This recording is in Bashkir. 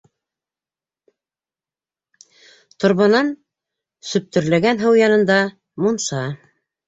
Торбанан сөптөрләгән һыу янында - мунса.